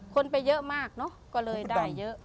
คนไปเยอะมากเนอะก็เลยได้เยอะ